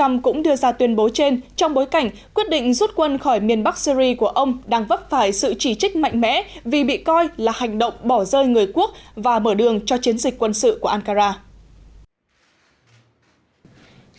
trump cũng đưa ra tuyên bố trên trong bối cảnh quyết định rút quân khỏi miền bắc syri của ông đang vấp phải sự chỉ trích mạnh mẽ vì bị coi là hành động bỏ rơi người quốc và mở đường cho chiến dịch quân sự của ankara